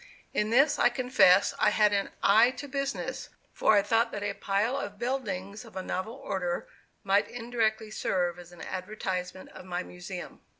In this, I confess, I had "an eye to business," for I thought that a pile of buildings of a novel order might indirectly serve as an advertisement of my Museum.